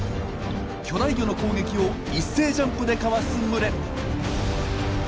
巨大魚の攻撃を一斉ジャンプでかわす群れ！